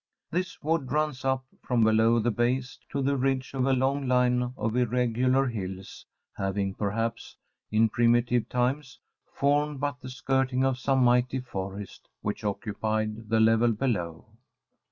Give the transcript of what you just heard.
This wood runs up, from below the base, to the ridge of a long line of irregular hills, having perhaps, in primitive times, formed but the skirting of some mighty forest which occupied the level below.